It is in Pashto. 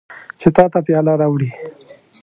چې تا ته پیاله راوړي.